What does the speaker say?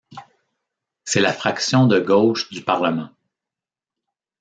C'est la fraction de gauche du parlement.